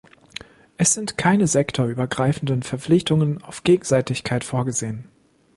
Es sind keine sektorübergreifenden Verpflichtungen auf Gegenseitigkeit vorgesehen.